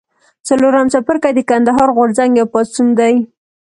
څلورم څپرکی د کندهار غورځنګ یا پاڅون دی.